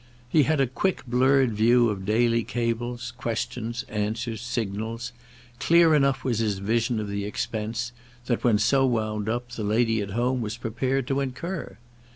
He had a quick blurred view of daily cables, questions, answers, signals: clear enough was his vision of the expense that, when so wound up, the lady at home was prepared to incur.